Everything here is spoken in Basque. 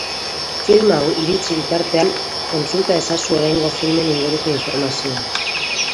Film hau iritsi bitartean, kontsulta ezazu oraingo filmen inguruko informazioa.